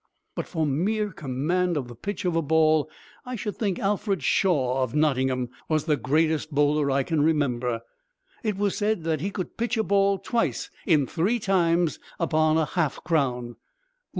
But for mere command of the pitch of a ball I should think Alfred Shaw, of Nottingham, was the greatest bowler I can remember. It was said that he could pitch a ball twice in three times upon a half crown!"